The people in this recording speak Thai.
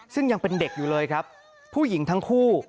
ซึ่งยังเป็นเด็กอยู่เลยครับผู้หญิงทั้งคู่